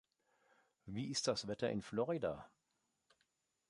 Wie ist das Wetter in Florida?